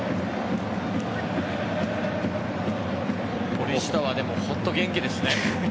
森下は本当、元気ですね。